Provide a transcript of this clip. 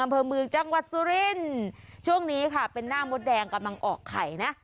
อำเภอเมืองจังหวัดสุรินทร์ช่วงนี้ค่ะเป็นหน้ามดแดงกำลังออกไข่นะ